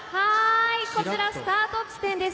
こちらスタート地点です。